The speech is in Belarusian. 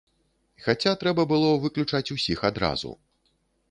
Хаця, трэба было выключаць усіх адразу.